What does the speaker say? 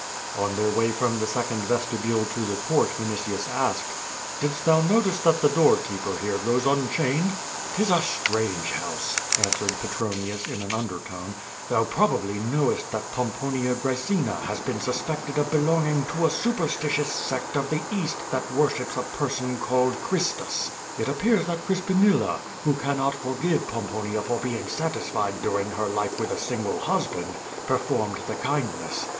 On their way from the second vestibule to the court Vini tius asked: "Didst thou notice that the door keeper here goes un chained?" " ^Tis a strange house," answered Petronius in an under tone. "Thou probably knowest that Pomponia Qraecina has been suspected of belonging to a superstitious sect of the QUO VADI8. 23 vEast, that worships a person called Christus. It appears that Crispinilla, who cannot forgive Pomponia for being satis fied during her life with a single husband, performed the kindness.